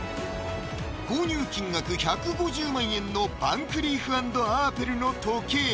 購入金額１５０万円のヴァンクリーフ＆アーペルの時計